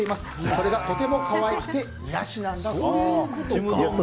それがとても可愛くて癒やしなんだそうです。